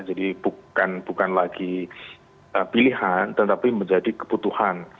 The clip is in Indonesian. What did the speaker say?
jadi bukan lagi pilihan tetapi menjadi kebutuhan